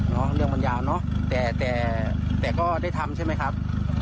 เรื่องมันยาวเนาะแต่ก็ได้ทำใช่มั้ยครับ